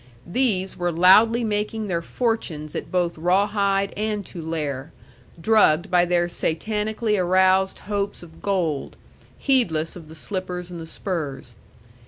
These were loudly making their fortunes at both Rawhide and Tulare, drugged by their satanically aroused hopes of gold, heedless of the slippers and the spurs.